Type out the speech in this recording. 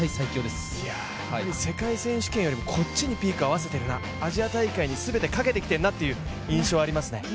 世界選手権よりこっちにピーク合わせてるな、アジア大会に全てかけてきているなという印象がありますね。